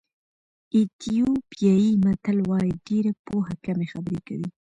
ایتیوپیایي متل وایي ډېره پوهه کمې خبرې کوي.